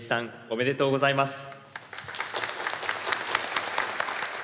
おめでとうございます。